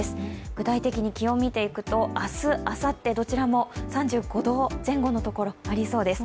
具体的に気温を見ていくと明日あさってどちらも３５度前後のところありそうです。